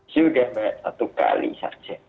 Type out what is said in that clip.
sudah mbak satu kali saja